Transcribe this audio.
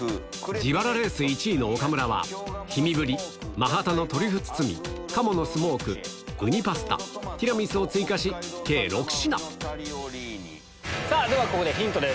自腹レース１位の岡村は、氷見ブリ、マハタの黒トリュフ包み、鴨のスモーク、うにパスタ、ティラミスさあ、ではここでヒントです。